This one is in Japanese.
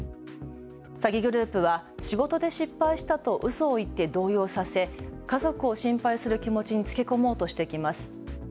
詐欺グループは仕事で失敗したとうそを言って動揺させ家族を心配する気持ちにつけ込もうとしてきます。